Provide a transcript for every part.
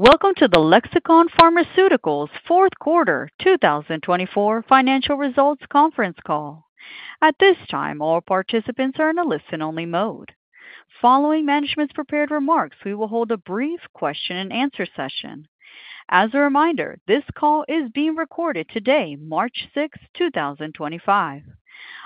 Welcome to the Lexicon Pharmaceuticals Fourth Quarter 2024 Financial Results Conference Call. At this time, all participants are in a listen-only mode. Following management's prepared remarks, we will hold a brief question-and-answer session. As a reminder, this call is being recorded today, March 6, 2025.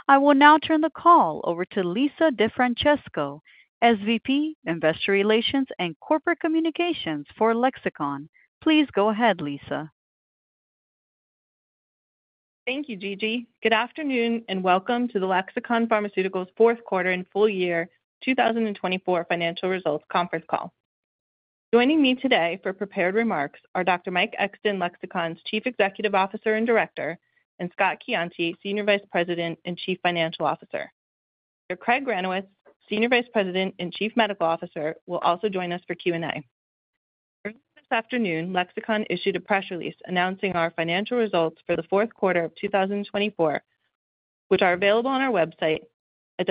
I will now turn the call over to Lisa DeFrancesco, SVP, Investor Relations and Corporate Communications for Lexicon. Please go ahead, Lisa. Thank you, Gigi. Good afternoon and welcome to the Lexicon Pharmaceuticals Fourth Quarter and Full Year 2024 Financial Results Conference Call. Joining me today for prepared remarks are Dr. Mike Exton, Lexicon's Chief Executive Officer and Director, and Scott Coiante, Senior Vice President and Chief Financial Officer. Craig Granowitz, Senior Vice President and Chief Medical Officer, will also join us for Q&A. Earlier this afternoon, Lexicon issued a press release announcing our financial results for the fourth quarter of 2024, which are available on our website at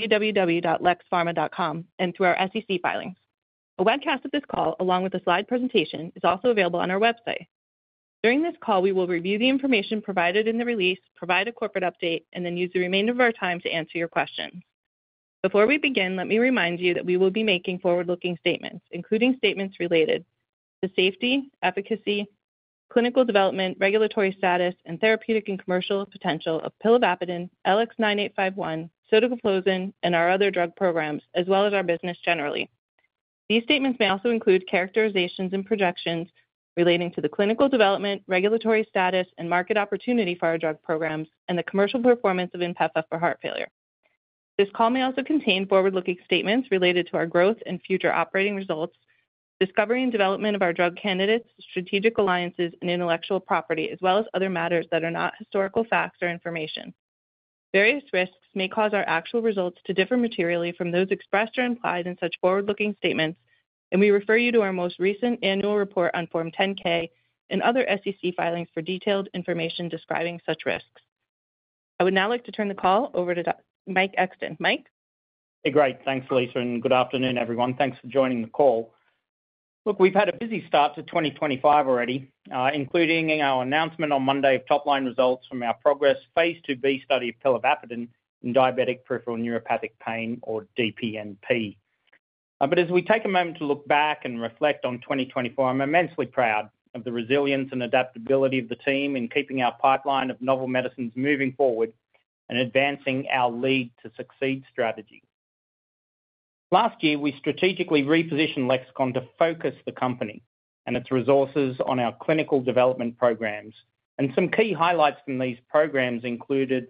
www.lexpharma.com and through our SEC filings. A webcast of this call, along with a slide presentation, is also available on our website. During this call, we will review the information provided in the release, provide a corporate update, and then use the remainder of our time to answer your questions. Before we begin, let me remind you that we will be making forward-looking statements, including statements related to the safety, efficacy, clinical development, regulatory status, and therapeutic and commercial potential of pilavapadin, LX9851, sotagliflozin, and our other drug programs, as well as our business generally. These statements may also include characterizations and projections relating to the clinical development, regulatory status, and market opportunity for our drug programs, and the commercial performance of Inpefa for heart failure. This call may also contain forward-looking statements related to our growth and future operating results, discovery and development of our drug candidates, strategic alliances, and intellectual property, as well as other matters that are not historical facts or information. Various risks may cause our actual results to differ materially from those expressed or implied in such forward-looking statements, and we refer you to our most recent annual report on Form 10-K and other SEC filings for detailed information describing such risks. I would now like to turn the call over to Mike Exton. Mike. Hey, great. Thanks, Lisa. And good afternoon, everyone. Thanks for joining the call. Look, we've had a busy start to 2025 already, including our announcement on Monday of top-line results from our Progress phase 2b study of pilavapadin in diabetic peripheral neuropathic pain, or DPNP. As we take a moment to look back and reflect on 2024, I'm immensely proud of the resilience and adaptability of the team in keeping our pipeline of novel medicines moving forward and advancing our lead-to-succeed strategy. Last year, we strategically repositioned Lexicon to focus the company and its resources on our clinical development programs. Some key highlights from these programs included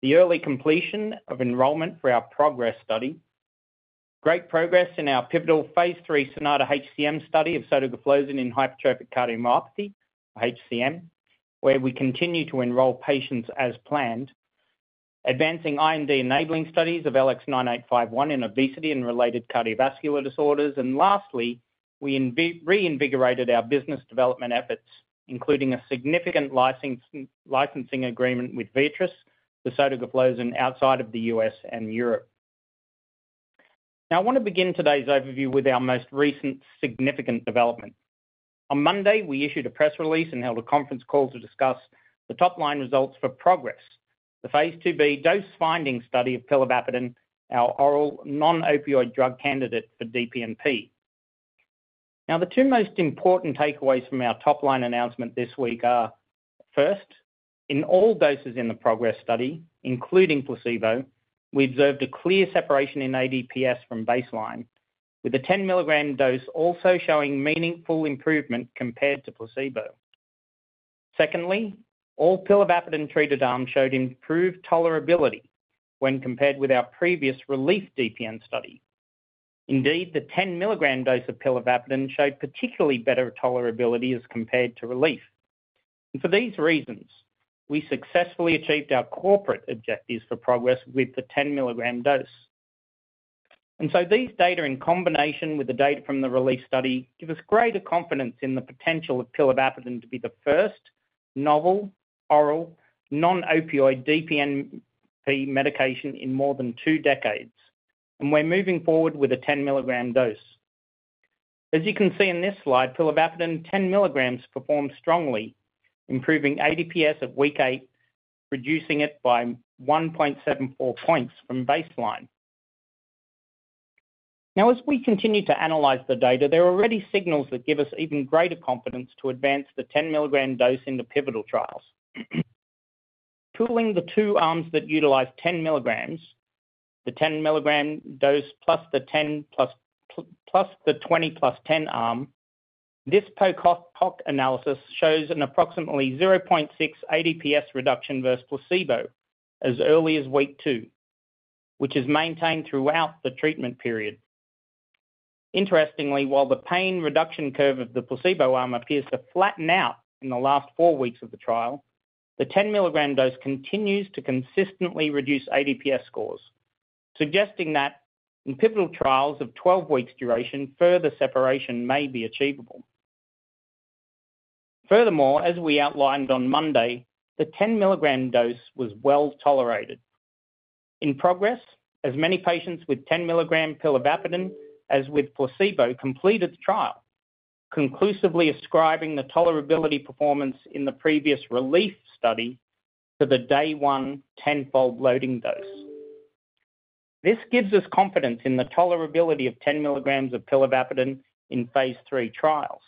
the early completion of enrollment for our Progress study, great progress in our pivotal phase 3 Sonata HCM study of sotagliflozin in hypertrophic cardiomyopathy, or HCM, where we continue to enroll patients as planned, advancing IND enabling studies of LX9851 in obesity and related cardiovascular disorders. Lastly, we reinvigorated our business development efforts, including a significant licensing agreement with Viatris for sotagliflozin outside of the US and Europe. Now, I want to begin today's overview with our most recent significant development. On Monday, we issued a press release and held a conference call to discuss the top-line results for Progress, the phase 2b dose-finding study of pilavapadin, our oral non-opioid drug candidate for DPNP. Now, the two most important takeaways from our top-line announcement this week are, first, in all doses in the Progress study, including placebo, we observed a clear separation in ADPS from baseline, with the 10 mg dose also showing meaningful improvement compared to placebo. Secondly, all pilavapadin-treated arms showed improved tolerability when compared with our previous RELIEF DPN study. Indeed, the 10 mg dose of pilavapadin showed particularly better tolerability as compared to RELIEF. For these reasons, we successfully achieved our corporate objectives for Progress with the 10 mg dose. These data, in combination with the data from the RELIEF study, give us greater confidence in the potential of pilavapadin to be the first novel, oral, non-opioid DPNP medication in more than two decades. We're moving forward with a 10 mg dose. As you can see in this slide, pilavapadin 10 mg performed strongly, improving ADPS at week eight, reducing it by 1.74 points from baseline. Now, as we continue to analyze the data, there are already signals that give us even greater confidence to advance the 10-milligram dose into pivotal trials. Pooling the two arms that utilize 10 mg, the 10 mg dose plus the 10 plus the 20 plus 10 arm, this PoC analysis shows an approximately 0.6 ADPS reduction versus placebo as early as week two, which is maintained throughout the treatment period. Interestingly, while the pain reduction curve of the placebo arm appears to flatten out in the last four weeks of the trial, the 10 mg dose continues to consistently reduce ADPS scores, suggesting that in pivotal trials of 12 weeks' duration, further separation may be achievable. Furthermore, as we outlined on Monday, the 10-milligram dose was well tolerated. In Progress, as many patients with 10 mg pilavapadin as with placebo completed the trial, conclusively ascribing the tolerability performance in the previous RELIEF study to the day-one 10-fold loading dose. This gives us confidence in the tolerability of 10 mg of pilavapadin in phase 3 trials.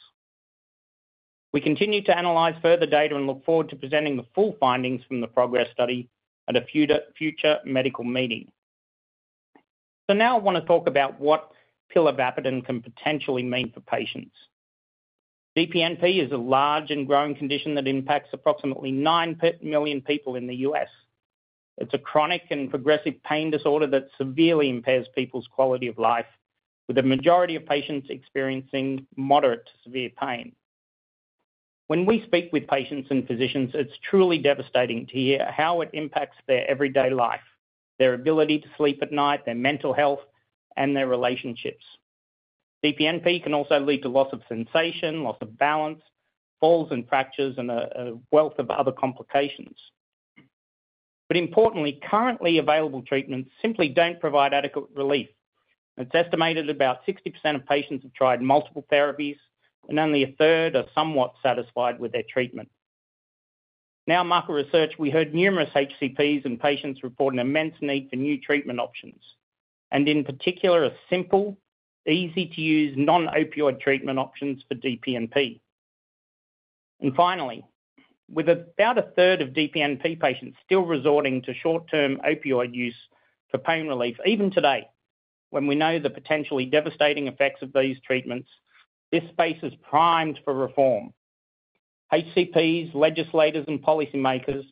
We continue to analyze further data and look forward to presenting the full findings from the Progress study at a future medical meeting. Now I want to talk about what pilavapadin can potentially mean for patients. DPNP is a large and growing condition that impacts approximately nine million people in the US. It's a chronic and progressive pain disorder that severely impairs people's quality of life, with a majority of patients experiencing moderate to severe pain. When we speak with patients and physicians, it's truly devastating to hear how it impacts their everyday life, their ability to sleep at night, their mental health, and their relationships. DPNP can also lead to loss of sensation, loss of balance, falls and fractures, and a wealth of other complications. Importantly, currently available treatments simply don't provide adequate RELIEF. It's estimated about 60% of patients have tried multiple therapies, and only a third are somewhat satisfied with their treatment. Now, market research, we heard numerous HCPs and patients report an immense need for new treatment options, and in particular, a simple, easy-to-use non-opioid treatment option for DPNP. Finally, with about a third of DPNP patients still resorting to short-term opioid use for pain RELIEF, even today, when we know the potentially devastating effects of these treatments, this space is primed for reform. HCPs, legislators, and policymakers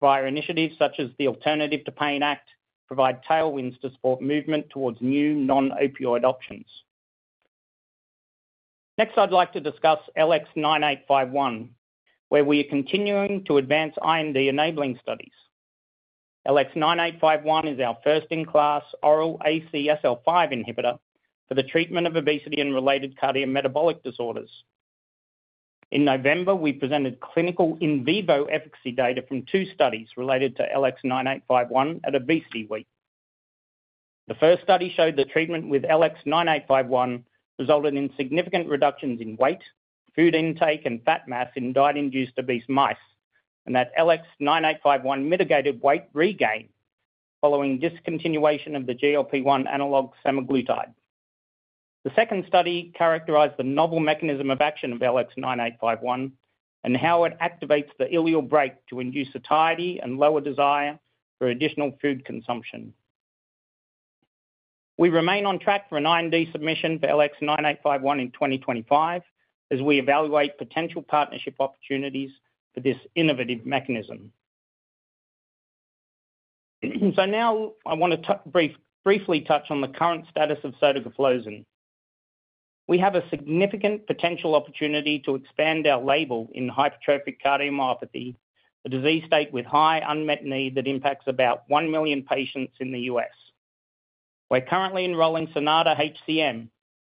via initiatives such as the Alternative to Pain Act provide tailwinds to support movement towards new non-opioid options. Next, I'd like to discuss LX9851, where we are continuing to advance IND enabling studies. LX9851 is our first-in-class oral ACSL5 inhibitor for the treatment of obesity and related cardiometabolic disorders. In November, we presented clinical in vivo efficacy data from two studies related to LX9851 at Obesity Week. The first study showed that treatment with LX9851 resulted in significant reductions in weight, food intake, and fat mass in diet-induced obese mice, and that LX9851 mitigated weight regain following discontinuation of the GLP-1 analog semaglutide. The second study characterized the novel mechanism of action of LX9851 and how it activates the ileal brake to induce satiety and lower desire for additional food consumption. We remain on track for an IND submission for LX9851 in 2025 as we evaluate potential partnership opportunities for this innovative mechanism. I want to briefly touch on the current status of sotagliflozin. We have a significant potential opportunity to expand our label in hypertrophic cardiomyopathy, a disease state with high unmet need that impacts about one million patients in the US. We're currently enrolling Sonata HCM,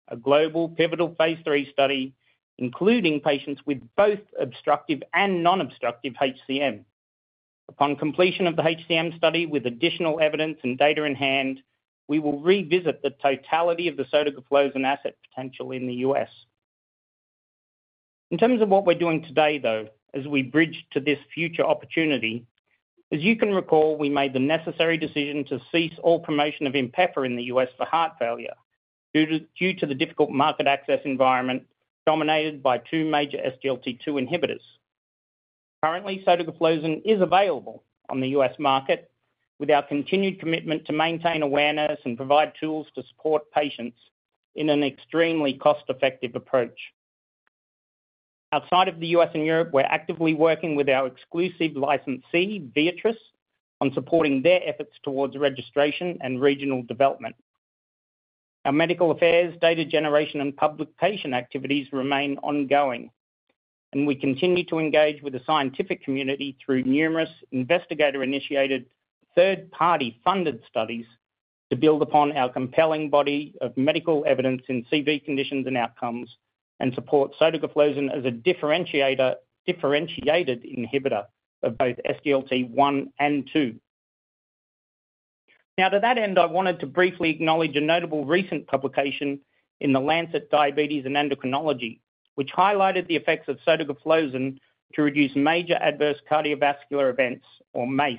a global pivotal phase 3 study, including patients with both obstructive and non-obstructive HCM. Upon completion of the HCM study, with additional evidence and data in hand, we will revisit the totality of the sotagliflozin asset potential in the US. In terms of what we're doing today, though, as we bridge to this future opportunity, as you can recall, we made the necessary decision to cease all promotion of Inpefa in the US for heart failure due to the difficult market access environment dominated by two major SGLT2 inhibitors. Currently, sotagliflozin is available on the US market with our continued commitment to maintain awareness and provide tools to support patients in an extremely cost-effective approach. Outside of the US and Europe, we're actively working with our exclusive licensee, Viatris, on supporting their efforts towards registration and regional development. Our medical affairs, data generation, and publication activities remain ongoing, and we continue to engage with the scientific community through numerous investigator-initiated third-party funded studies to build upon our compelling body of medical evidence in CV conditions and outcomes and support sotagliflozin as a differentiated inhibitor of both SGLT1 and 2. Now, to that end, I wanted to briefly acknowledge a notable recent publication in The Lancet Diabetes and Endocrinology, which highlighted the effects of sotagliflozin to reduce major adverse cardiovascular events, or MACE,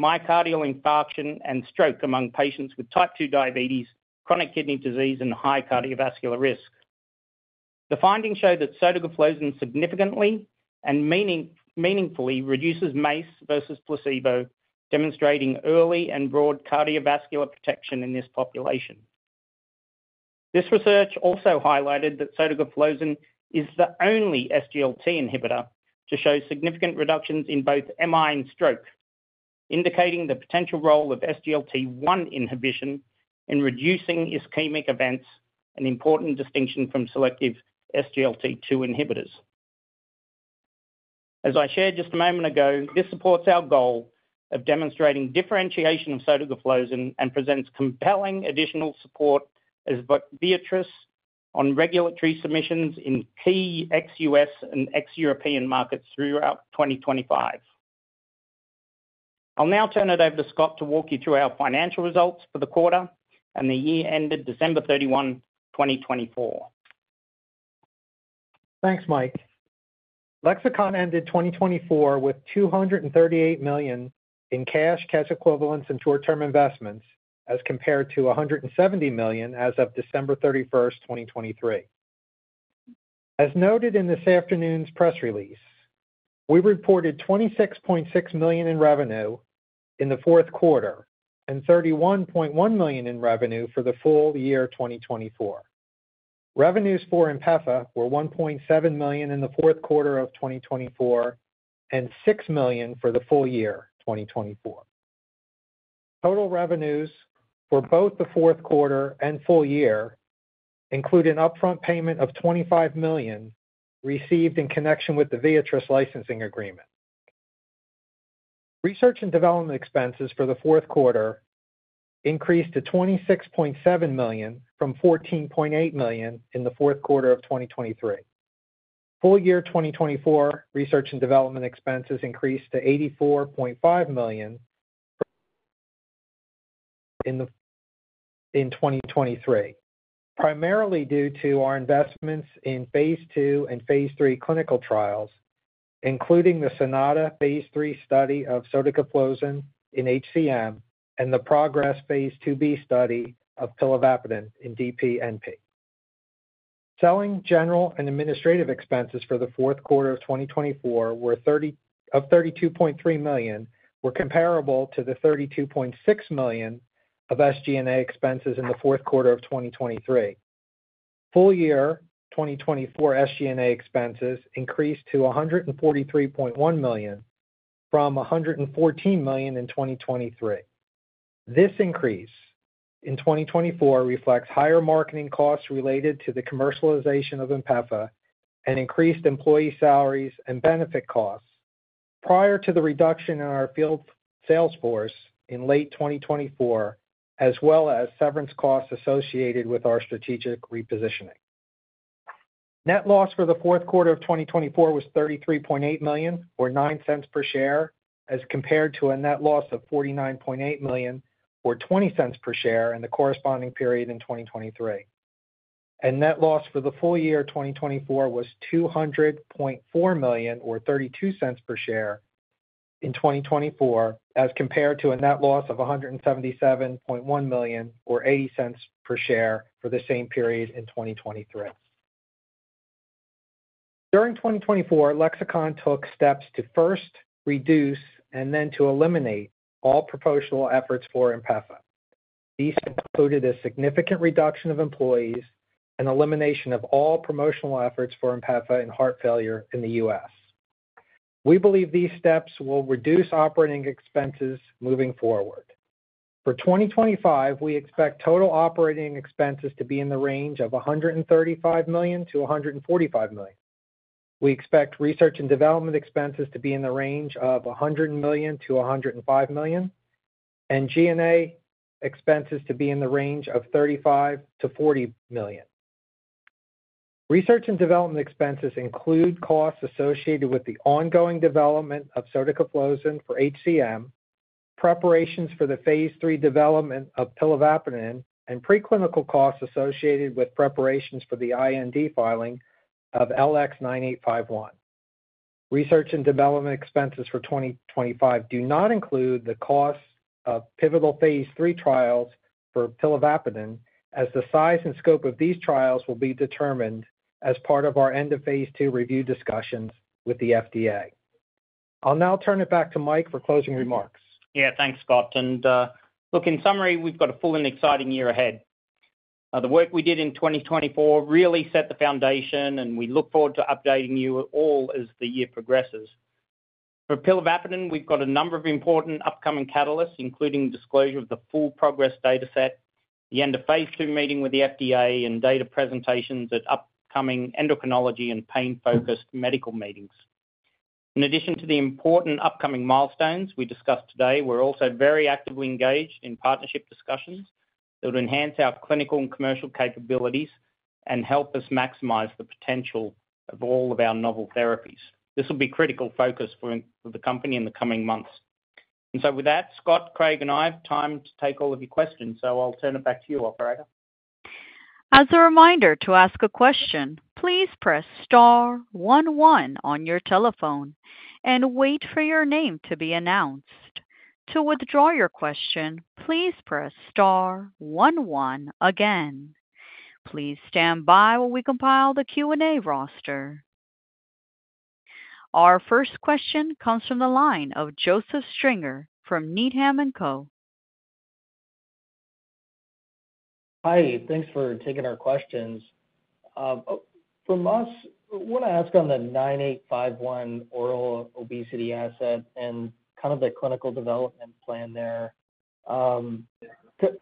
myocardial infarction and stroke among patients with type 2 diabetes, chronic kidney disease, and high cardiovascular risk. The findings show that sotagliflozin significantly and meaningfully reduces MACE versus placebo, demonstrating early and broad cardiovascular protection in this population. This research also highlighted that sotagliflozin is the only SGLT inhibitor to show significant reductions in both MI and stroke, indicating the potential role of SGLT1 inhibition in reducing ischemic events, an important distinction from selective SGLT2 inhibitors. As I shared just a moment ago, this supports our goal of demonstrating differentiation of sotagliflozin and presents compelling additional support as Viatris on regulatory submissions in key ex-U.S and ex-European markets throughout 2025. I'll now turn it over to Scott to walk you through our financial results for the quarter and the year ended December 31, 2024. Thanks, Mike. Lexicon ended 2024 with 238 million in cash, cash equivalents, and short-term investments as compared to 170 million as of December 31, 2023. As noted in this afternoon's press release, we reported 26.6 million in revenue in the fourth quarter and 31.1 million in revenue for the full year 2024. Revenues for Inpefa were 1.7 million in the fourth quarter of 2024 and six million for the full year 2024. Total revenues for both the fourth quarter and full year include an upfront payment of 25 million received in connection with the Viatris licensing agreement. Research and development expenses for the fourth quarter increased to 26.7 million from 14.8 million in the fourth quarter of 2023. Full year 2024 research and development expenses increased to 84.5 million in 2023, primarily due to our investments in phase 2 and phase 3 clinical trials, including the Sonata phase 3 study of sotagliflozin in HCM and the Progress phase 2b study of pilavapadin in DPNP. Selling, general and administrative expenses for the fourth quarter of 2024 were 32.3 million, comparable to the 32.6 million of SG&A expenses in the fourth quarter of 2023. Full year 2024 SG&A expenses increased to 143.1 million from 114 million in 2023. This increase in 2024 reflects higher marketing costs related to the commercialization of Inpefa and increased employee salaries and benefit costs prior to the reduction in our field sales force in late 2024, as well as severance costs associated with our strategic repositioning. Net loss for the fourth quarter of 2024 was 33.8 million, or $0.09 per share, as compared to a net loss of 49.8 million, or $0.20 per share in the corresponding period in 2023. Net loss for the full year 2024 was 200.4 million, or $0.32 per share in 2024, as compared to a net loss of 177.1 million, or $0.80 per share for the same period in 2023. During 2024, Lexicon Pharmaceuticals took steps to first reduce and then to eliminate all promotional efforts for Inpefa. These included a significant reduction of employees and elimination of all promotional efforts for Inpefa in heart failure in the U.S. We believe these steps will reduce operating expenses moving forward. For 2025, we expect total operating expenses to be in the range of 135 million-145 million. We expect research and development expenses to be in the range of $100 million-$105 million, and G&A expenses to be in the range of $35 million-$40 million. Research and development expenses include costs associated with the ongoing development of sotagliflozin for HCM, preparations for the phase 3 development of pilavapadin, and preclinical costs associated with preparations for the IND filing of LX9851. Research and development expenses for 2025 do not include the costs of pivotal phase 3 trials for pilavapadin, as the size and scope of these trials will be determined as part of our end of phase 2 review discussions with the FDA. I'll now turn it back to Mike for closing remarks. Yeah, thanks, Scott. Look, in summary, we've got a full and exciting year ahead. The work we did in 2024 really set the foundation, and we look forward to updating you all as the year progresses. For pilavapadin, we've got a number of important upcoming catalysts, including disclosure of the full progress data set, the end of phase 2 meeting with the FDA, and data presentations at upcoming endocrinology and pain-focused medical meetings. In addition to the important upcoming milestones we discussed today, we're also very actively engaged in partnership discussions that will enhance our clinical and commercial capabilities and help us maximize the potential of all of our novel therapies. This will be a critical focus for the company in the coming months. With that, Scott, Craig, and I have time to take all of your questions, so I'll turn it back to you, Operator. As a reminder to ask a question, please press star 11 on your telephone and wait for your name to be announced. To withdraw your question, please press star 11 again. Please stand by while we compile the Q&A roster. Our first question comes from the line of Joseph Stringer from Needham & Co. Hi, thanks for taking our questions. From us, I want to ask on the 9851 oral obesity asset and kind of the clinical development plan there. A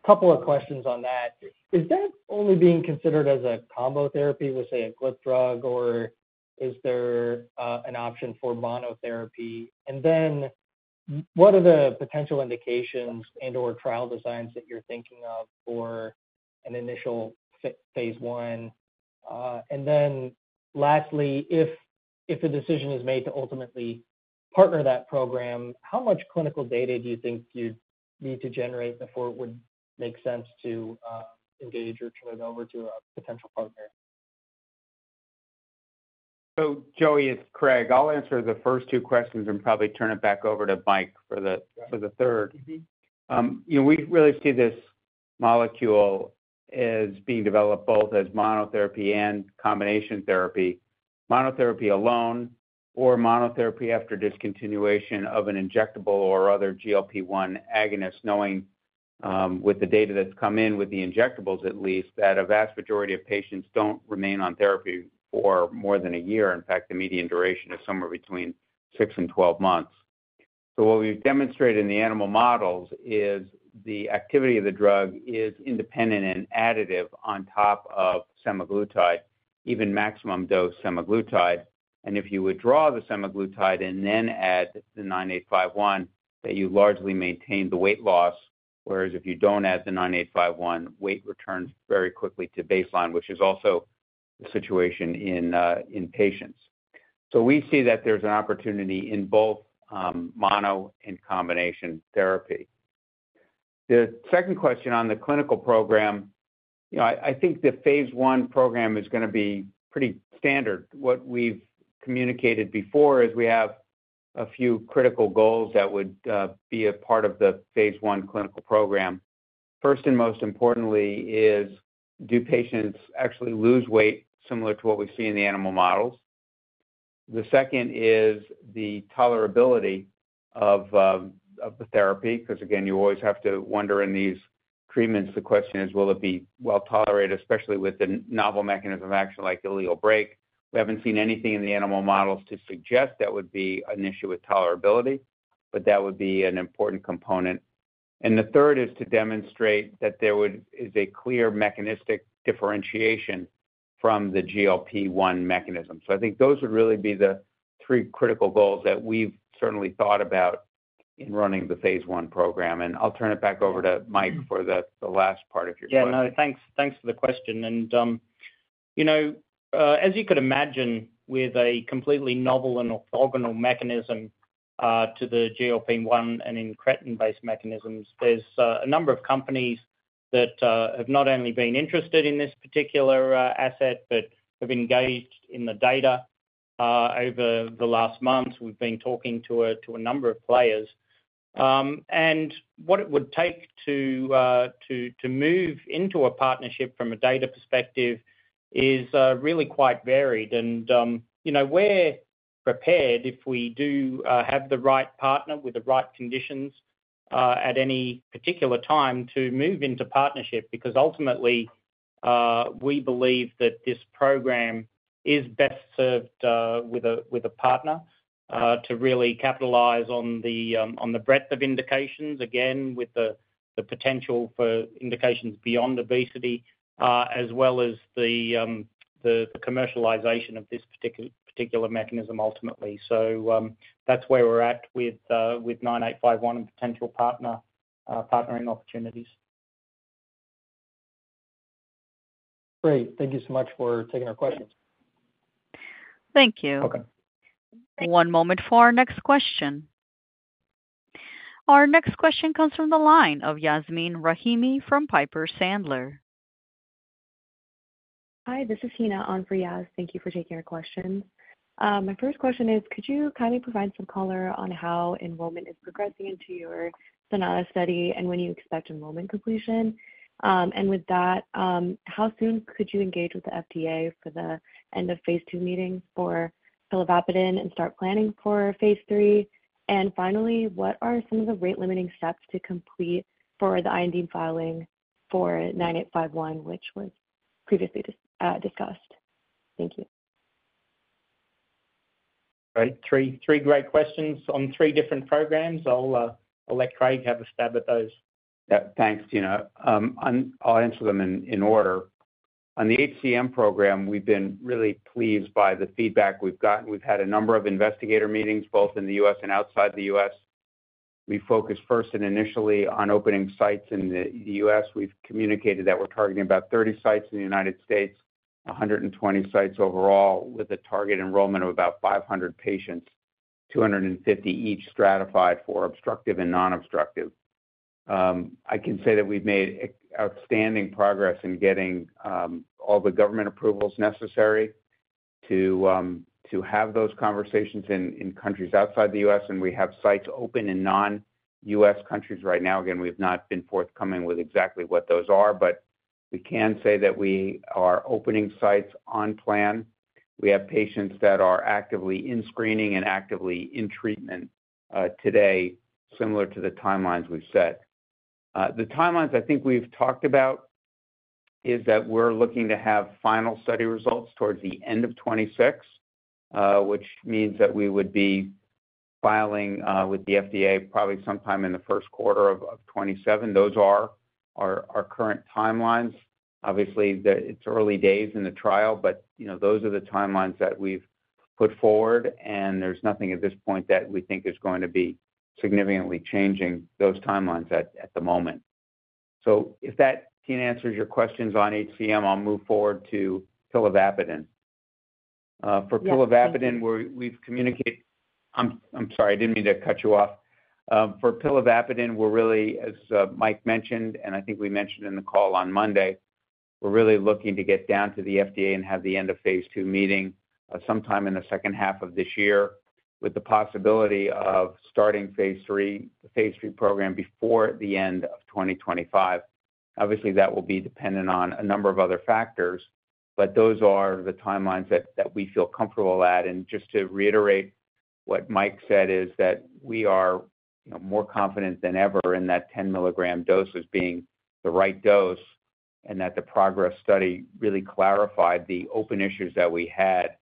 couple of questions on that. Is that only being considered as a combo therapy with, say, a GLP drug, or is there an option for monotherapy? What are the potential indications and/or trial designs that you're thinking of for an initial phase 1? Lastly, if a decision is made to ultimately partner that program, how much clinical data do you think you'd need to generate before it would make sense to engage or turn it over to a potential partner? Joey, this is Craig. I'll answer the first two questions and probably turn it back over to Mike for the third. We really see this molecule as being developed both as monotherapy and combination therapy. Monotherapy alone or monotherapy after discontinuation of an injectable or other GLP-1 agonist, knowing with the data that's come in with the injectables at least, that a vast majority of patients don't remain on therapy for more than a year. In fact, the median duration is somewhere between six and 12 months. What we've demonstrated in the animal models is the activity of the drug is independent and additive on top of semaglutide, even maximum dose semaglutide. If you withdraw the semaglutide and then add the 9851, you largely maintain the weight loss, whereas if you do not add the 9851, weight returns very quickly to baseline, which is also the situation in patients. We see that there is an opportunity in both mono and combination therapy. The second question on the clinical program, I think the phase 1 program is going to be pretty standard. What we have communicated before is we have a few critical goals that would be a part of the phase 1 clinical program. First and most importantly is, do patients actually lose weight similar to what we see in the animal models? The second is the tolerability of the therapy, because again, you always have to wonder in these treatments, the question is, will it be well tolerated, especially with a novel mechanism of action like ileal brake? We haven't seen anything in the animal models to suggest that would be an issue with tolerability, but that would be an important component. The third is to demonstrate that there is a clear mechanistic differentiation from the GLP-1 mechanism. I think those would really be the three critical goals that we've certainly thought about in running the phase 1 program. I'll turn it back over to Mike for the last part of your question. Yeah, no, thanks for the question. As you could imagine, with a completely novel and orthogonal mechanism to the GLP-1 and incretin-based mechanisms, there's a number of companies that have not only been interested in this particular asset but have engaged in the data. Over the last months, we've been talking to a number of players. What it would take to move into a partnership from a data perspective is really quite varied. We are prepared if we do have the right partner with the right conditions at any particular time to move into partnership, because ultimately we believe that this program is best served with a partner to really capitalize on the breadth of indications, again, with the potential for indications beyond obesity, as well as the commercialization of this particular mechanism ultimately. That is where we are at with 9851 and potential partnering opportunities. Great. Thank you so much for taking our questions. Thank you. Okay. One moment for our next question. Our next question comes from the line of Yasmeen Rahimi from Piper Sandler. Hi, this is Hina on for Yasmeen. Thank you for taking our questions. My first question is, could you kindly provide some color on how enrollment is progressing into your Sonata study and when you expect enrollment completion? With that, how soon could you engage with the FDA for the end of phase 2 meetings for pilavapadin and start planning for phase 3? Finally, what are some of the rate-limiting steps to complete for the IND filing for 9851, which was previously discussed? Thank you. Great. Three great questions on three different programs. I'll let Craig have a stab at those. Yeah, thanks, Tina. I'll answer them in order. On the HCM program, we've been really pleased by the feedback we've gotten. We've had a number of investigator meetings both in the U.S. and outside the U.S. We focused first and initially on opening sites in the U.S. We've communicated that we're targeting about 30 sites in the United States, 120 sites overall, with a target enrollment of about 500 patients, 250 each stratified for obstructive and non-obstructive. I can say that we've made outstanding progress in getting all the government approvals necessary to have those conversations in countries outside the U.S. We have sites open in non-U.S. countries right now. Again, we've not been forthcoming with exactly what those are, but we can say that we are opening sites on plan. We have patients that are actively in screening and actively in treatment today, similar to the timelines we've set. The timelines I think we've talked about is that we're looking to have final study results towards the end of 2026, which means that we would be filing with the FDA probably sometime in the first quarter of 2027. Those are our current timelines. Obviously, it's early days in the trial, but those are the timelines that we've put forward, and there's nothing at this point that we think is going to be significantly changing those timelines at the moment. If that, Tina, answers your questions on HCM, I'll move forward to pilavapadin. For pilavapadin, we've communicated—I'm sorry, I didn't mean to cut you off. For pilavapadin, we're really, as Mike mentioned, and I think we mentioned in the call on Monday, we're really looking to get down to the FDA and have the end of phase 2 meeting sometime in the second half of this year with the possibility of starting the phase 3 program before the end of 2025. Obviously, that will be dependent on a number of other factors, but those are the timelines that we feel comfortable at. Just to reiterate what Mike said is that we are more confident than ever in that 10 milligram dose as being the right dose and that the progress study really clarified the open issues that we had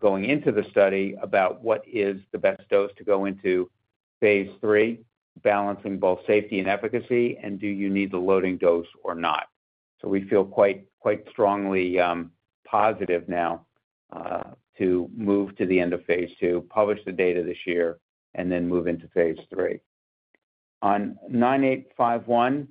going into the study about what is the best dose to go into phase 3, balancing both safety and efficacy, and do you need the loading dose or not. We feel quite strongly positive now to move to the end of phase 2, publish the data this year, and then move into phase 3. On 9851,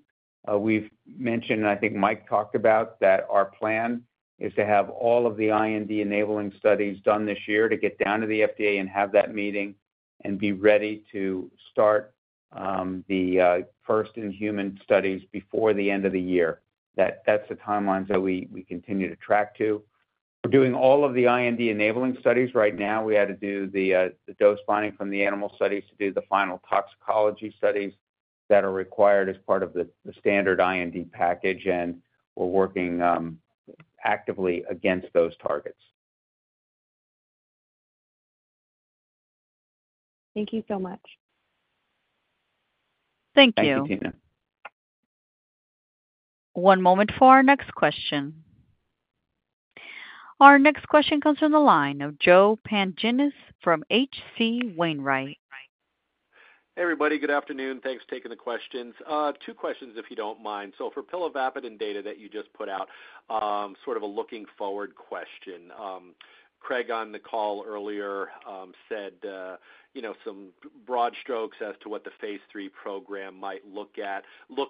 we've mentioned, and I think Mike talked about, that our plan is to have all of the IND enabling studies done this year to get down to the FDA and have that meeting and be ready to start the first in human studies before the end of the year. That's the timelines that we continue to track to. We're doing all of the IND enabling studies right now. We had to do the dose binding from the animal studies to do the final toxicology studies that are required as part of the standard IND package, and we're working actively against those targets. Thank you so much. Thank you. Thank you, Tina. One moment for our next question. Our next question comes from the line of Joe Pantginis from H.C. Wainwright. Hey, everybody. Good afternoon. Thanks for taking the questions. Two questions, if you don't mind. For pilavapadin data that you just put out, sort of a looking forward question. Craig on the call earlier said some broad strokes as to what the phase 3 program might look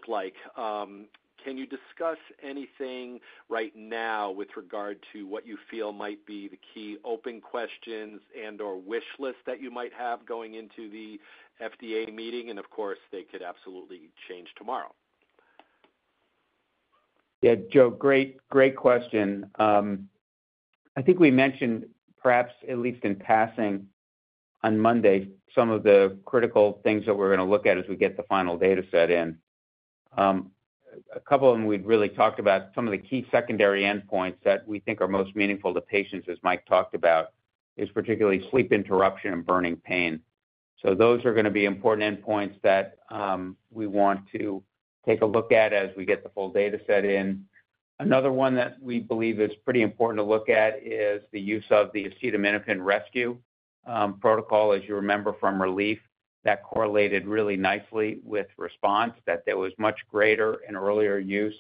like. Can you discuss anything right now with regard to what you feel might be the key open questions and/or wish list that you might have going into the FDA meeting? Of course, they could absolutely change tomorrow. Yeah, Joe, great question. I think we mentioned perhaps at least in passing on Monday some of the critical things that we're going to look at as we get the final data set in. A couple of them we'd really talked about, some of the key secondary endpoints that we think are most meaningful to patients, as Mike talked about, is particularly sleep interruption and burning pain. Those are going to be important endpoints that we want to take a look at as we get the full data set in. Another one that we believe is pretty important to look at is the use of the acetaminophen rescue protocol. As you remember from RELIEF, that correlated really nicely with response that there was much greater and earlier use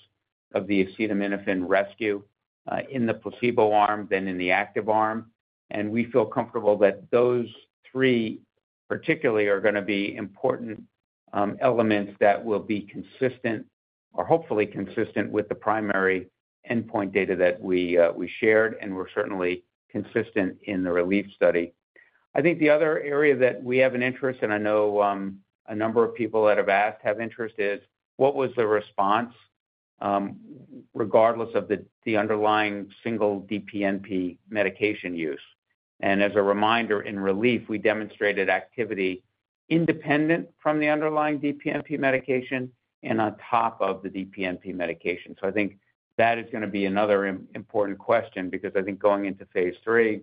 of the acetaminophen rescue in the placebo arm than in the active arm. We feel comfortable that those three particularly are going to be important elements that will be consistent or hopefully consistent with the primary endpoint data that we shared and were certainly consistent in the RELIEF study. I think the other area that we have an interest, and I know a number of people that have asked have interest, is what was the response regardless of the underlying single DPNP medication use? As a reminder, in RELIEF, we demonstrated activity independent from the underlying DPNP medication and on top of the DPNP medication. I think that is going to be another important question because I think going into phase 3,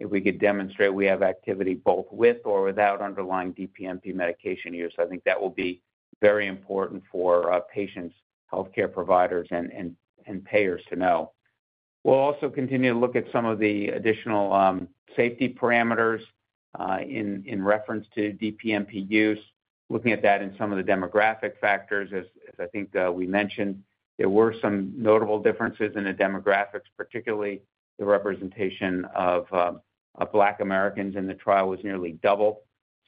if we could demonstrate we have activity both with or without underlying DPNP medication use, I think that will be very important for patients, healthcare providers, and payers to know. We'll also continue to look at some of the additional safety parameters in reference to DPNP use, looking at that in some of the demographic factors. As I think we mentioned, there were some notable differences in the demographics, particularly the representation of Black Americans in the trial was nearly doubled.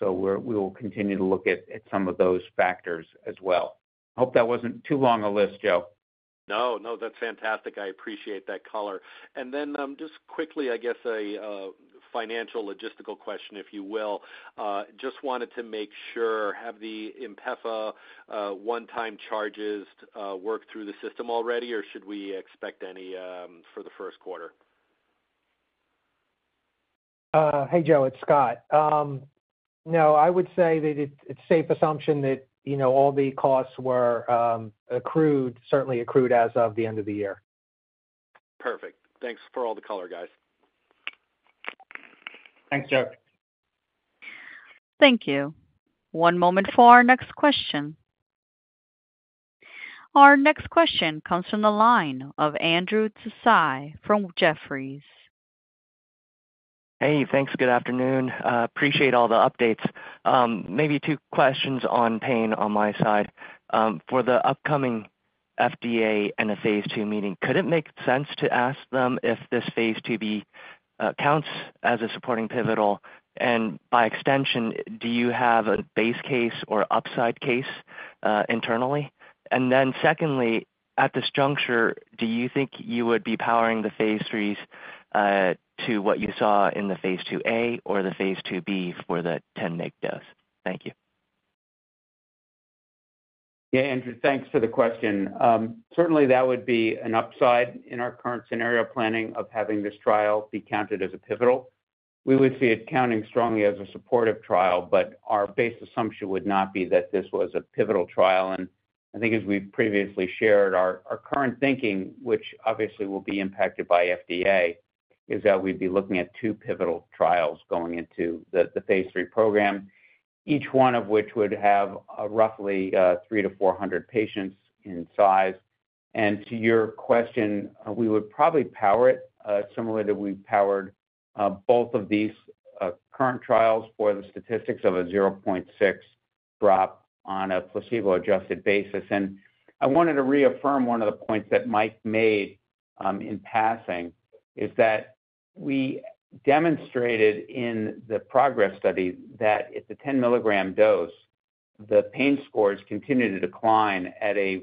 We will continue to look at some of those factors as well. Hope that wasn't too long a list, Joe. No, no, that's fantastic. I appreciate that color. Just quickly, I guess a financial logistical question, if you will. Just wanted to make sure, have the Inpefa one-time charges worked through the system already, or should we expect any for the first quarter? Hey, Joe, it's Scott. No, I would say that it's a safe assumption that all the costs were accrued, certainly accrued as of the end of the year. Perfect. Thanks for all the color, guys. Thanks, Joe. Thank you. One moment for our next question. Our next question comes from the line of Andrew Tsai from Jefferies. Hey, thanks. Good afternoon. Appreciate all the updates. Maybe two questions on pain on my side. For the upcoming FDA and the phase two meeting, could it make sense to ask them if this phase 2b counts as a supporting pivotal? By extension, do you have a base case or upside case internally? Secondly, at this juncture, do you think you would be powering the phase 3s to what you saw in the phase 2A or the phase 2b for the 10 milligrams dose? Thank you. Yeah, Andrew, thanks for the question. Certainly, that would be an upside in our current scenario planning of having this trial be counted as a pivotal. We would see it counting strongly as a supportive trial, but our base assumption would not be that this was a pivotal trial. I think as we've previously shared, our current thinking, which obviously will be impacted by FDA, is that we'd be looking at two pivotal trials going into the phase 3 program, each one of which would have roughly 300-400 patients in size. To your question, we would probably power it similar to we've powered both of these current trials for the statistics of a 0.6 drop on a placebo-adjusted basis. I wanted to reaffirm one of the points that Mike made in passing is that we demonstrated in the progress study that at the 10-milligram dose, the pain scores continued to decline at a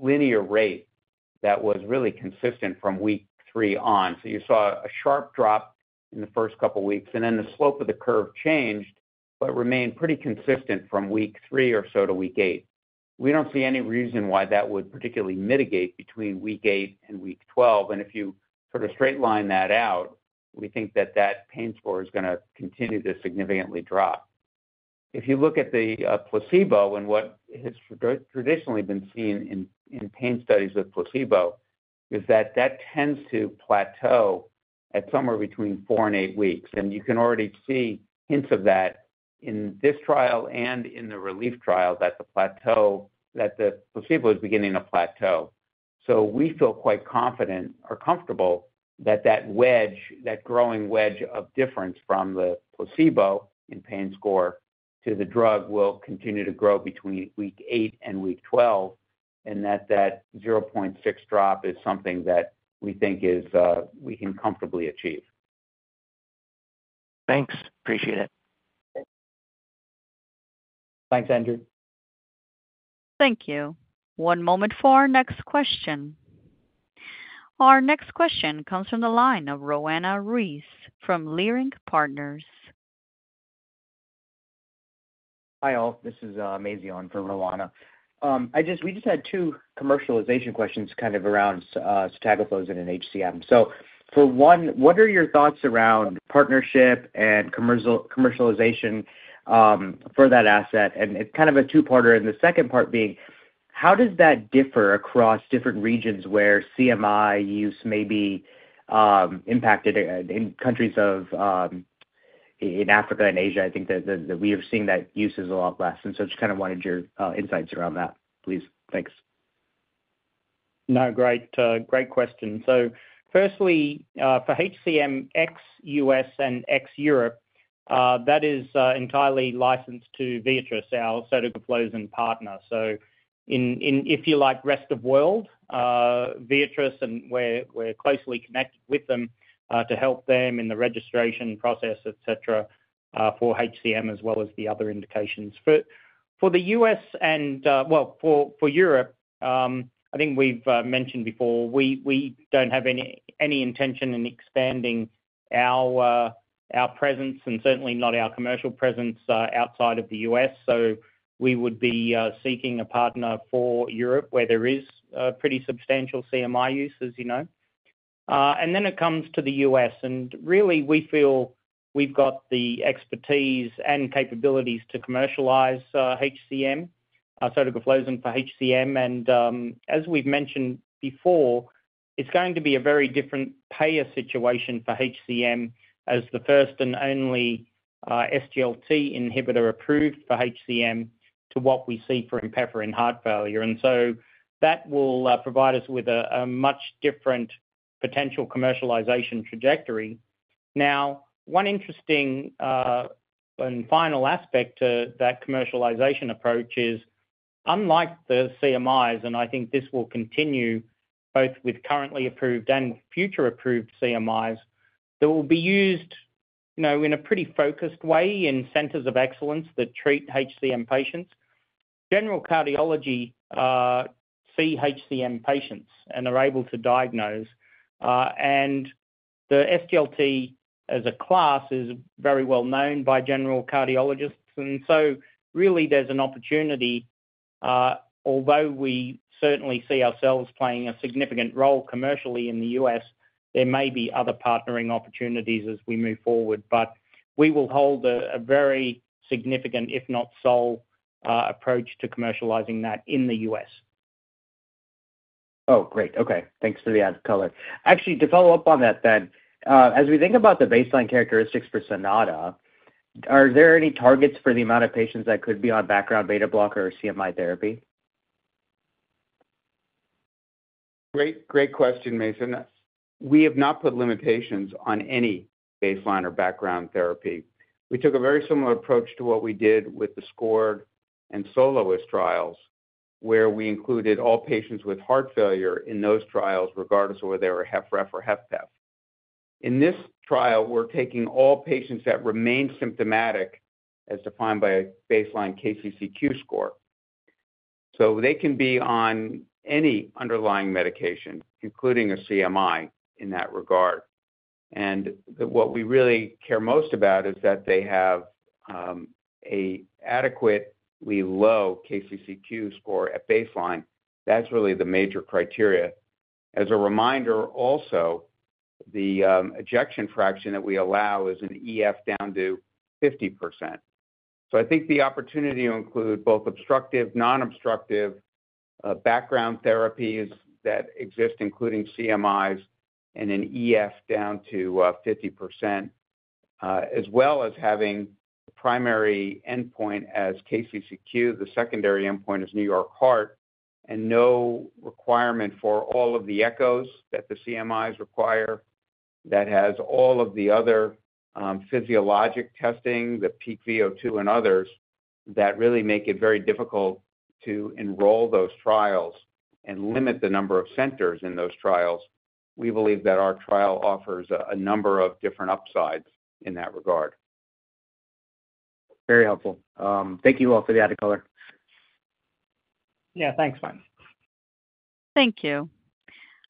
linear rate that was really consistent from week three on. You saw a sharp drop in the first couple of weeks, and then the slope of the curve changed but remained pretty consistent from week three or so to week eight. We do not see any reason why that would particularly mitigate between week eight and week twelve. If you sort of straight line that out, we think that that pain score is going to continue to significantly drop. If you look at the placebo and what has traditionally been seen in pain studies with placebo, that tends to plateau at somewhere between four and eight weeks. You can already see hints of that in this trial and in the RELIEF trial that the placebo is beginning to plateau. We feel quite confident or comfortable that that wedge, that growing wedge of difference from the placebo in pain score to the drug will continue to grow between week eight and week twelve and that that 0.6 drop is something that we think we can comfortably achieve. Thanks. Appreciate it. Thanks, Andrew. Thank you. One moment for our next question. Our next question comes from the line of Roanna Ruiz from Leerink Partners. Hi all. This is Mazion from Roanna. We just had two commercialization questions kind of around sotagliflozin and HCM. For one, what are your thoughts around partnership and commercialization for that asset? It is kind of a two-parter. The second part being, how does that differ across different regions where HCM use may be impacted in countries in Africa and Asia? I think that we are seeing that use is a lot less. Just kind of wanted your insights around that, please. Thanks. No, great question. Firstly, for HCM, ex-U.S. and ex-Europe, that is entirely licensed to Viatris, our sotagliflozin partner. If you like, rest of world, Viatris, and we're closely connected with them to help them in the registration process, etc., for HCM as well as the other indications. For the U.S. and, for Europe, I think we've mentioned before, we don't have any intention in expanding our presence and certainly not our commercial presence outside of the U.S. We would be seeking a partner for Europe where there is pretty substantial HCM use, as you know. Then it comes to the U.S. Really, we feel we've got the expertise and capabilities to commercialize sotagliflozin for HCM. As we've mentioned before, it's going to be a very different payer situation for HCM as the first and only SGLT inhibitor approved for HCM to what we see for Inpefa in heart failure. That will provide us with a much different potential commercialization trajectory. One interesting and final aspect to that commercialization approach is, unlike the CMIs, and I think this will continue both with currently approved and future approved CMIs, that will be used in a pretty focused way in centers of excellence that treat HCM patients. General cardiology see HCM patients and are able to diagnose. The SGLT as a class is very well known by general cardiologists. There is an opportunity, although we certainly see ourselves playing a significant role commercially in the US, there may be other partnering opportunities as we move forward. We will hold a very significant, if not sole, approach to commercializing that in the U.S. Oh, great. Okay. Thanks for the added color. Actually, to follow up on that then, as we think about the baseline characteristics for Sonata, are there any targets for the amount of patients that could be on background beta blocker or CMI therapy? Great question, Mazion. We have not put limitations on any baseline or background therapy. We took a very similar approach to what we did with the SCORED and SOLOIST trials, where we included all patients with heart failure in those trials regardless of whether they were HFrEF or HFpEF. In this trial, we are taking all patients that remain symptomatic as defined by a baseline KCCQ score. They can be on any underlying medication, including a CMI in that regard. What we really care most about is that they have an adequately low KCCQ score at baseline. That is really the major criteria. As a reminder, also, the ejection fraction that we allow is an EF down to 50%. I think the opportunity to include both obstructive, non-obstructive background therapies that exist, including CMIs, and an EF down to 50%, as well as having the primary endpoint as KCCQ, the secondary endpoint as New York Heart, and no requirement for all of the echoes that the CMIs require, that has all of the other physiologic testing, the peek vO2 and others that really make it very difficult to enroll those trials and limit the number of centers in those trials, we believe that our trial offers a number of different upsides in that regard. Very helpful. Thank you all for the added color. Yeah, thanks, Mazion. Thank you.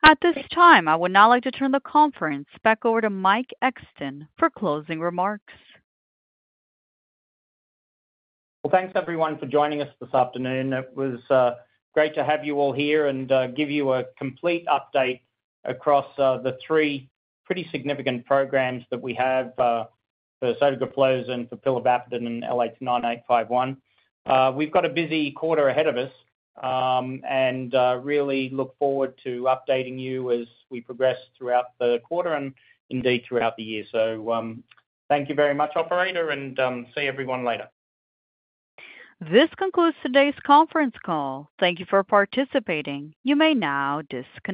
At this time, I would now like to turn the conference back over to Mike Exton for closing remarks. Thanks, everyone, for joining us this afternoon. It was great to have you all here and give you a complete update across the three pretty significant programs that we have for sotagliflozin, for pilavapadin, and LX9851. We've got a busy quarter ahead of us and really look forward to updating you as we progress throughout the quarter and indeed throughout the year. Thank you very much, operator, and see everyone later. This concludes today's conference call. Thank you for participating. You may now disconnect.